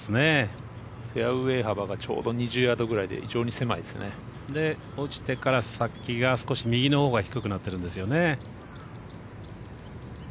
フェアウエー幅がちょうど２０ヤードぐらいで落ちてから先が少し右のほうが低くなってるんですよね。